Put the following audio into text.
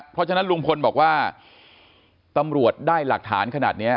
เพราะฉะนั้นลุงพลบอกว่าตำรวจได้หลักฐานขนาดนี้